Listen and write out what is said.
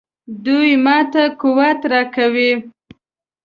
دوی ماته قوت راکوي.